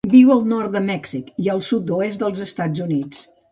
Viu al nord de Mèxic i al sud-oest dels Estats Units.